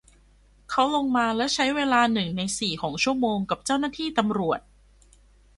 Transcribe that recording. เขาลงมาและใช้เวลาหนึ่งในสี่ของชั่วโมงกับเจ้าหน้าที่ตำรวจ